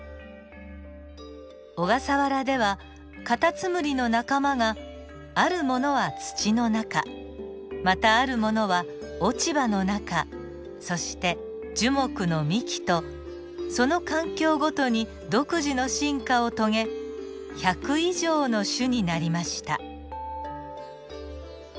小笠原ではカタツムリの仲間があるものは土の中またあるものは落ち葉の中そして樹木の幹とその環境ごとに独自の進化を遂げ１００以上の種になりました。